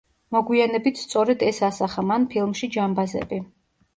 მოგვიანებით სწორედ ეს ასახა მან ფილმში „ჯამბაზები“.